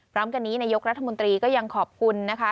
พร้อมกันนี้นายกรัฐมนตรีก็ยังขอบคุณนะคะ